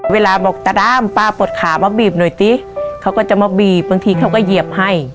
เวลาบอกตาด้ามป้าปลดขามาบีบหน่อยสิเขาก็จะมาบีบบางทีเขาก็เหยียบให้